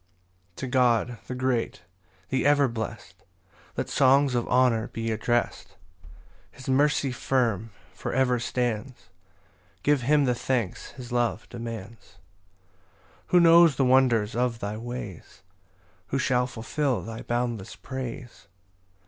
1 To God, the great, the ever blest, Let songs of honour be addrest: His mercy firm for ever stands; Give him the thanks his love demands. 2 Who knows the wonders of thy ways? Who shall fulfil thy boundless praise?